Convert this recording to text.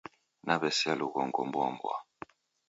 Naw'esea lughongo mboa mboa.